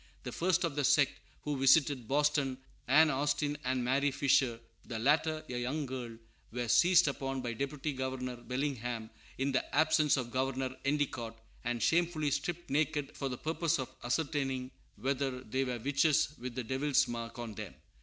The first of the sect who visited Boston, Ann Austin and Mary Fisher, the latter a young girl, were seized upon by Deputy Governor Bellingham, in the absence of Governor Endicott, and shamefully stripped naked for the purpose of ascertaining whether they were witches with the Devil's mark on them.